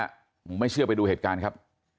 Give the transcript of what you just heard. ผมไม่เชื่อไปดูเหตุการณ์ครับ